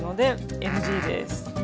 ＮＧです。